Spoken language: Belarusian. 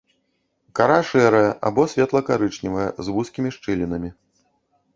Кара шэрая або светла-карычневая з вузкімі шчылінамі.